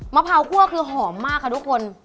พร้าวคั่วคือหอมมากค่ะทุกคน